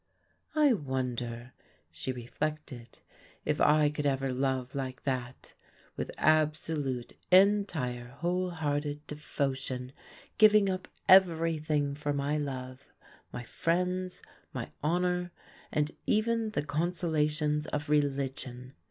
"I wonder," she reflected, "if I ever could love like that, with absolute entire whole hearted devotion, giving up everything for my love, my friends, my honour, and even the consolations of religion.